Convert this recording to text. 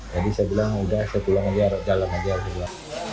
jadi saya bilang sudah saya pulang aja jalan aja